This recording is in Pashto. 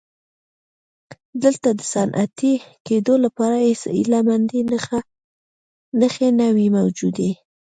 دلته د صنعتي کېدو لپاره هېڅ هیله مندۍ نښې نه وې موجودې.